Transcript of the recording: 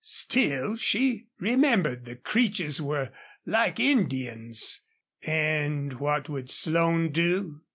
Still, she remembered the Creeches were like Indians. And what would Slone do?